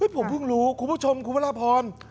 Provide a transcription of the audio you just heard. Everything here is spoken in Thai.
ผมเพิ่งรู้คุณผู้ชมคุณพระราพร